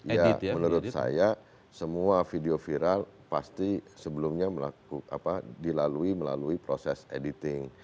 ya menurut saya semua video viral pasti sebelumnya dilalui melalui proses editing